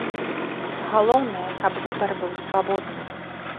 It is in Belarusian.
Галоўнае, каб выбар быў свабодны.